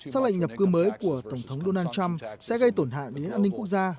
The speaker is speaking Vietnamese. sắc lệnh nhập cư mới của tổng thống donald trump sẽ gây tổn hạn đến an ninh quốc gia